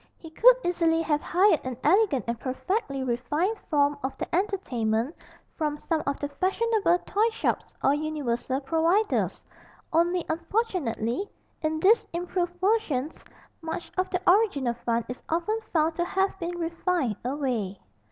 He could easily have hired an elegant and perfectly refined form of the entertainment from some of the fashionable toy shops or 'universal providers,' only unfortunately in these improved versions much of the original fun is often found to have been refined away.